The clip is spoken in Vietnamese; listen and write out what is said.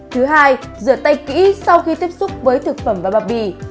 thứ hai rửa tay kỹ sau khi tiếp xúc với thực phẩm và bao bì